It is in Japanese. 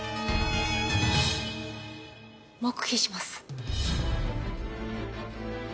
黙秘します。